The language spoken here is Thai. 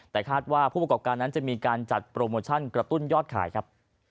แต่คาดว่าผู้ประกอบการนั้นจะมีการจัดโปรโมชั่นกระตุ้นยอดขายครับ